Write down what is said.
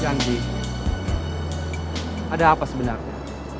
janji ada apa sebenarnya